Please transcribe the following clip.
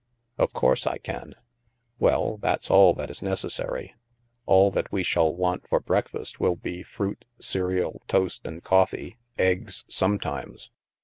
"Of course I can." " Well, that's all that is necessary. All that we shall want for breakfast will be fruit, cereal, toast, and coffee; eggs sometimes.